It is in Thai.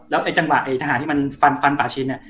แล้วจังหวะทหารที่มันฟันป่าชิ้น